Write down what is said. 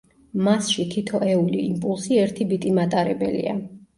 მასში თითოეული იმპულსი ერთი ბიტი მატარებელია.